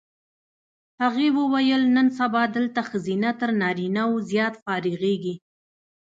هغې وویل نن سبا دلته ښځینه تر نارینه و زیات فارغېږي.